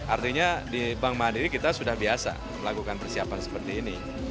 artinya di bank mandiri kita sudah biasa melakukan persiapan seperti ini